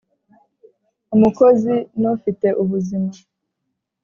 Umukozi nufite ubuzima.